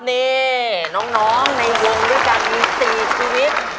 นี่น้องในวงด้วยกัน๔ชีวิต